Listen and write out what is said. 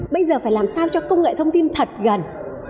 bây giờ phải làm sao cho công nghệ thông tin thật gần